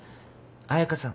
彩佳さん。